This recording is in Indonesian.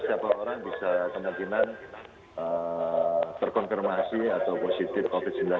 siapa orang bisa kemungkinan terkonfirmasi atau positif covid sembilan belas